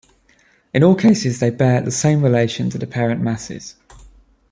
In all cases, they bear the same relation to the parent masses.